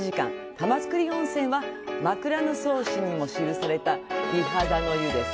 玉造温泉は枕草子にも記された美肌の湯です。